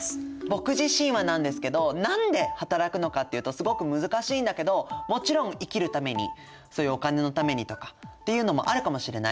僕自身はなんですけど何で働くのかっていうとすごく難しいんだけどもちろん生きるためにそういうお金のためにとかっていうのもあるかもしれない。